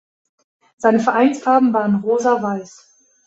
Seine Vereinsfarben waren Rosa-Weiß.